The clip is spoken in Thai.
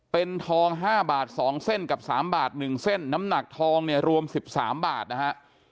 เป็นทอง๕บาท๒เส้นกับ๓บาท๑เส้นน้ำหนักทองเนี่ยรวม๑๓บาทนะฮะ